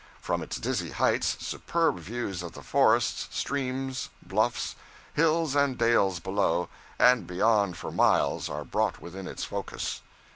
From its dizzy heights superb views of the forests, streams, bluffs, hills and dales below and beyond for miles are brought within its focus.